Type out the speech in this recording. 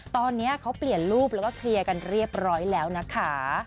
ตอนนี้เขาเปลี่ยนรูปแล้วก็เคลียร์กันเรียบร้อยแล้วนะคะ